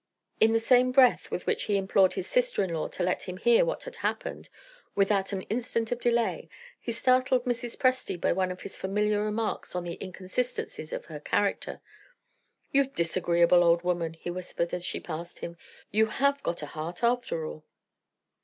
In the same breath with which he implored his sister in law to let him hear what had happened, without an instant of delay, he startled Mrs. Presty by one of his familiar remarks on the inconsistencies in her character. "You disagreeable old woman," he whispered, as she passed him, "you have got a heart, after all."